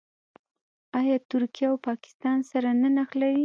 آیا ترکیه او پاکستان سره نه نښلوي؟